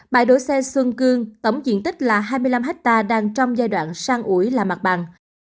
bãi đổi xe xuân cương tổng diện tích là hai mươi năm hectare đang trong giai đoạn sang ủi là mặt bằng